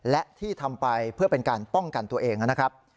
และที่ทำไปเพื่อเป็นการป้องกันตัวเองนะครับ